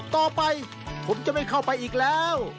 ต่อไปผมจะไม่เข้าไปอีกแล้ว